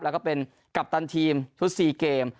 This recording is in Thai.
แล้วก็เป็นกัปตันทีมชุด๔เกม